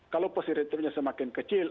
kalau positif ratenya semakin kecil